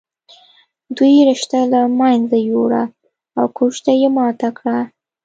دوی رشته له منځه ويوړه او کوژده یې ماته کړه